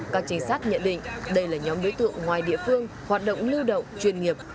các trinh sát nhận định đây là nhóm đối tượng ngoài địa phương hoạt động lưu động chuyên nghiệp